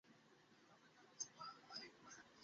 আমারও সেদিন মরে যাওয়া উচিত ছিল।